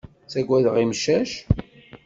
Ttagadeɣ imcac.